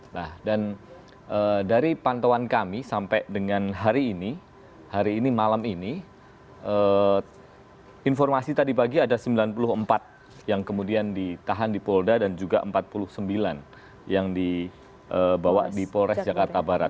nah dan dari pantauan kami sampai dengan hari ini hari ini malam ini informasi tadi pagi ada sembilan puluh empat yang kemudian ditahan di polda dan juga empat puluh sembilan yang dibawa di polres jakarta barat